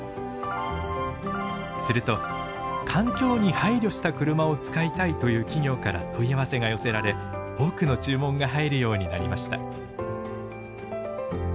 すると環境に配慮した車を使いたいという企業から問い合わせが寄せられ多くの注文が入るようになりました。